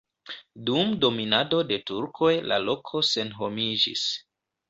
Dum dominado de turkoj la loko senhomiĝis.